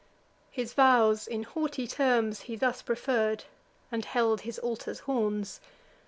His vows, in haughty terms, he thus preferr'd, And held his altar's horns.